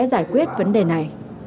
giải quyết vấn đề này